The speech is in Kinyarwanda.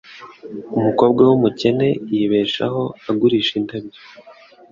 Umukobwa wumukene yibeshaho agurisha indabyo.